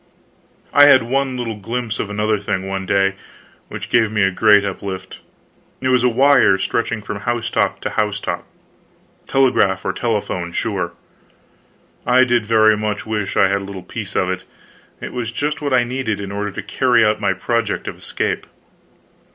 I had one little glimpse of another thing, one day, which gave me a great uplift. It was a wire stretching from housetop to housetop. Telegraph or telephone, sure. I did very much wish I had a little piece of it. It was just what I needed, in order to carry out my project of escape.